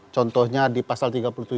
contohnya di pasal tiga puluh tujuh